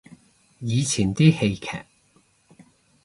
以前啲戲劇